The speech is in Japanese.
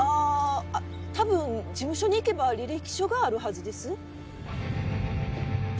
あ多分事務所に行けば履歴書があるはずです。